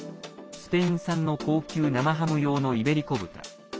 スペイン産の高級生ハム用のイベリコ豚。